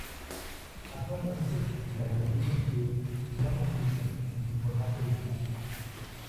Actualmente, las Guerrilla Girls ya no existen en su formato original.